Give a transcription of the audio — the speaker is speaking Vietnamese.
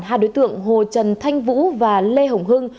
hai đối tượng hồ trần thanh vũ và lê hồng hưng